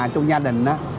cho gia đình